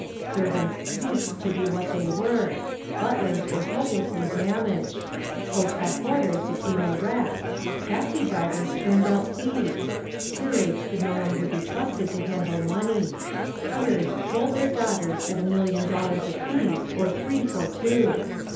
Servants ceased to be what they were; butlers were hopelessly damaged; hotel porters became a wreck; taxi drivers turned out thieves; curates could no longer be trusted to handle money; peers sold their daughters at a million dollars a piece or three for two.